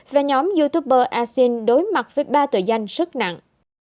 và nhóm youtuber asin đối mặt với ba tựa danh sức nặng